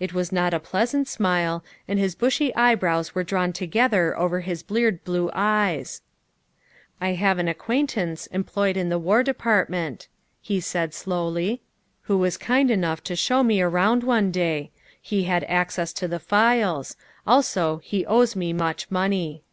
It was not a pleasant smile, and his bushy eyebrows were drawn together over his bleared blue eyes. 92 THE WIFE OF " I have an acquaintance employed in the War De partment," he said slowly, " who was kind enough to show me around one day. He had access to the files; also he owes me much money.